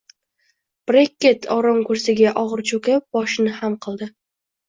Brekket oromkursiga og`ir cho`kib, boshini xam qildi